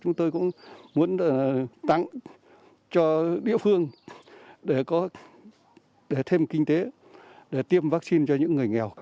chúng tôi có một ít tiền dưỡng giả chúng tôi cũng muốn tặng cho địa phương để có thêm kinh tế để tiêm vaccine cho những người nghèo